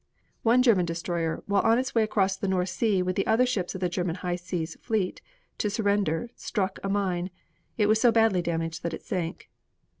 One German destroyer while on its way across the North Sea with the other ships of the German High Seas fleet to surrender struck a mine. It was so badly damaged that it sank.